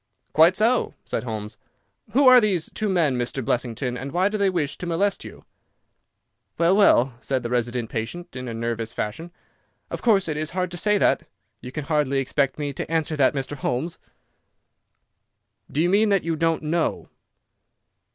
"Quite so," said Holmes. "Who are these two men Mr. Blessington, and why do they wish to molest you?" "Well, well," said the resident patient, in a nervous fashion, "of course it is hard to say that. You can hardly expect me to answer that, Mr. Holmes." "Do you mean that you don't know?"